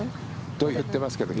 と言ってますけど。